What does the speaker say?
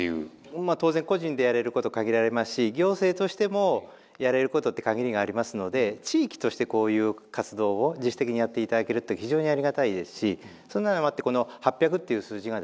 当然個人でやれること限られますし行政としてもやれることって限りがありますので地域としてこういう活動を自主的にやって頂けるって非常にありがたいですしそんなのもあってこの８００っていう数字がですね